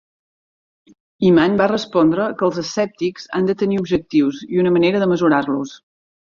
Hyman va respondre que els escèptics han de tenir objectius i una manera de mesurar-los.